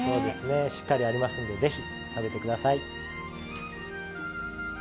しっかりありますんでぜひ食べて下さい。